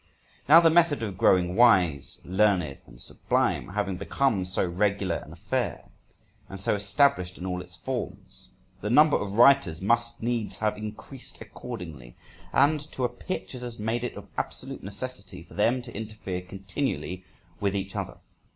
Now the method of growing wise, learned, and sublime having become so regular an affair, and so established in all its forms, the number of writers must needs have increased accordingly, and to a pitch that has made it of absolute necessity for them to interfere continually with each other.